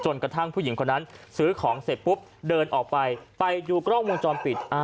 กระทั่งผู้หญิงคนนั้นซื้อของเสร็จปุ๊บเดินออกไปไปดูกล้องวงจรปิด